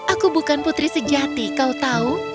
aku bukan putri sejati kau tahu